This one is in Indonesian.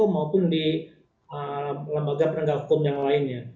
maupun di lembaga penegak hukum yang lainnya